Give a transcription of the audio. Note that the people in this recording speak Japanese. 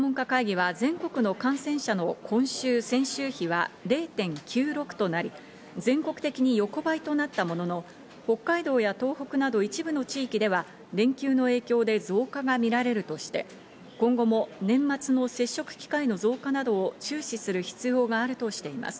専門家会議は全国の感染者の今週・先週比が０．９６となり、全国的に横ばいとなったものの、北海道や東北など一部の地域では連休の影響で増加が見られるとして、今後も年末の接触機会の増加などを注視する必要があるとしています。